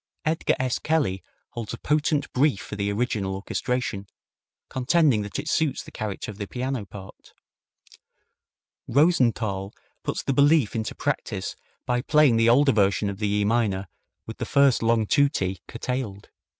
Edgar S. Kelly holds a potent brief for the original orchestration, contending that it suits the character of the piano part. Rosenthal puts this belief into practice by playing the older version of the E minor with the first long tutti curtailed.